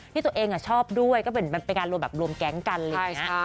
ที่ตัวเองชอบด้วยเป็นบริการรวมแก๊งกันเลยนะ